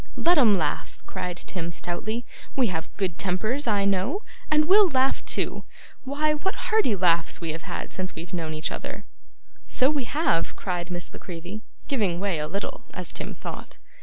'Let 'em laugh,' cried Tim stoutly; 'we have good tempers I know, and we'll laugh too. Why, what hearty laughs we have had since we've known each other!' 'So we have,' cried Miss La Creevy giving way a little, as Tim thought.